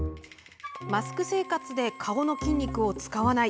マスク生活で顔の筋肉を使わない。